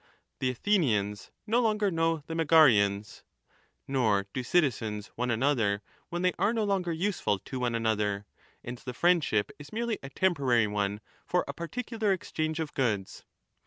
* The Athenians no longer know the Megarians ';^ nor do citizens one another, when they are no longer useful to one another, and the friendship is merely a temporary one for a particular exchange of goods.